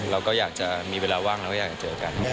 เราก็อยากจะมีเวลาว่างเราก็อยากเจอกัน